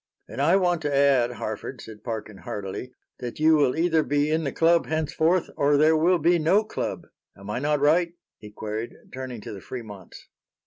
"And I want to add, Harford," said Parkin, heartily, "that you will either be in the club henceforth or there will be no club. Am I not right?" he queried, turning to the Fremonts.